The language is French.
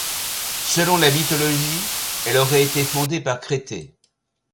Selon la mythologie, elle aurait été fondée par Créthée.